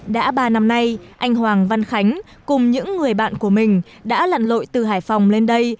đã ba năm nay anh hoàng văn khánh cùng những người bạn của mình đã lặn lội từ hải phòng lên đây